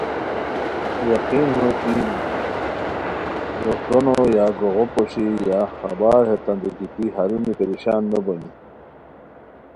یقین ہوئے کی دوڅونو یا کوغو پوشی یا خیر ہیتانتے گیتی ہرونی پریشان نو بونی